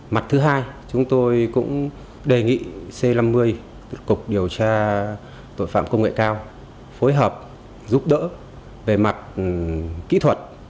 mặt thứ hai chúng tôi cũng đề nghị c năm mươi cục điều tra tội phạm công nghệ cao phối hợp giúp đỡ về mặt kỹ thuật